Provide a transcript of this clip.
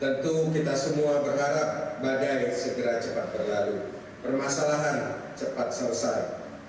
tentu kita semua berharap badai segera cepat berlalu permasalahan cepat selesai